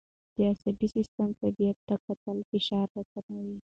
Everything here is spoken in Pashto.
د عصبي سیستم طبیعت ته کتل فشار راکموي.